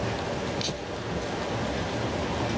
ถือว่าชีวิตที่ผ่านมายังมีความเสียหายแก่ตนและผู้อื่น